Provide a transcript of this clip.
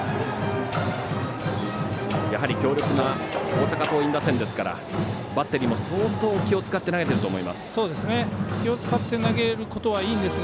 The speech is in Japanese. やはり強力な大阪桐蔭打線ですからバッテリーも相当、気を使って投げてると思います。